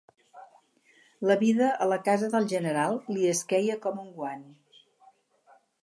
La vida a la casa del General li esqueia com un guant.